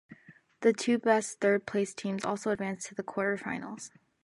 The two best third place teams also advance to the quarter-finals.